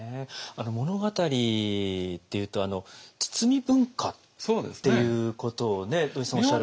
物語っていうと包み文化っていうことを土井さんおっしゃる。